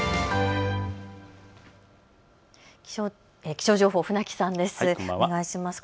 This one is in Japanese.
気象情報、船木さんです。